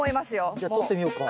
じゃあとってみようか。